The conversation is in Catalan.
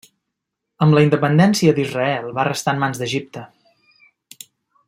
Amb la independència d'Israel va restar en mans d'Egipte.